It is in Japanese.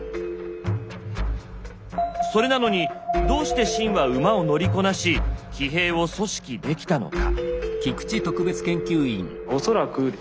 それなのにどうして秦は馬を乗りこなし騎兵を組織できたのか。